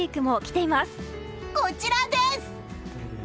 こちらです！